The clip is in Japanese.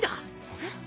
えっ？